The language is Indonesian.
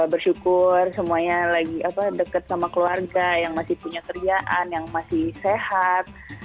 bersyukur semuanya lagi dekat sama keluarga yang masih punya kerjaan yang masih sehat